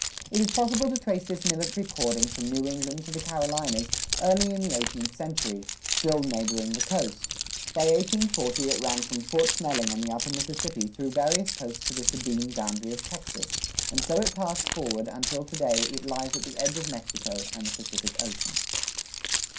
It is possible to trace this military cordon from New England to the Carolinas early in the eighteenth century, still neighboring the coast; by 1840 it ran from Fort Snelling on the upper Mississippi through various posts to the Sabine boundary of Texas, and so it passed forward until to day it lies at the edge of Mexico and the Pacific Ocean.